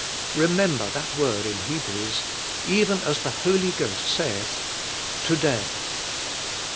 Remember that word in Hebrews, "Even as the H0I37 Ghost saith, to day."